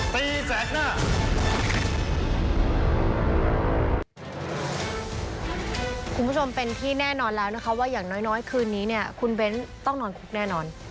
เพราะไอ้คดียังไม่รู้นะครับคุณผู้ชมเป็นที่แน่นอนแล้วนะคะว่าอย่างน้อยคืนนี้เนี่ยคุณเบ้นต้องนอนคุกแน่นอน